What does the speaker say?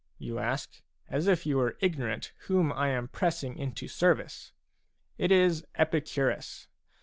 you ask, as if you were ignorant whom I am pressing into service ; it is Epicurus.